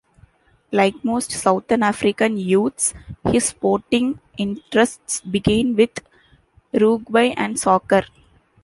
Like most Southern African youths, his sporting interests began with rugby and soccer.